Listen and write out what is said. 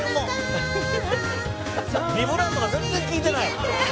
「ビブラートが全然利いてない」